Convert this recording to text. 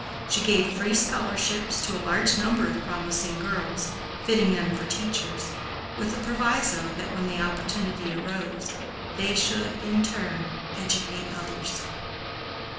She gave free scholarships to a large number of promising girls, fitting them for teachers, with a proviso that, when the opportunity arose, they should, in turn, educate others.